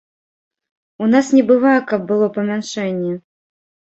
У нас не бывае, каб было памяншэнне.